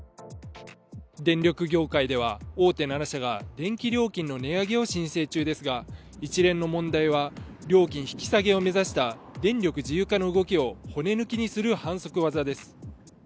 電力業界では大手７社が電気料金の値上げを申請中ですが、一連の問題は料金引き下げを目指した電力自由化の動きを骨抜きにする反則技です。